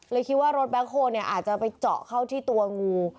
เลยคิดว่ารถแบคโฮเนี่ยอาจจะไปเจาะเข้าที่ตัวงู